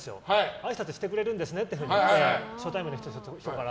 あいさつしてくれるんですねって初対面の人に。